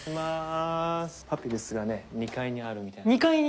パピルスがね２階にあるみたいなんで。